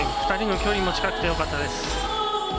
２人の距離も近くてよかったです。